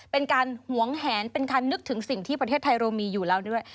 เป็นการหวงแหนเป็นการนึกถึงสิ่งที่ประเทศไทยเรามีอยู่แล้วด้วย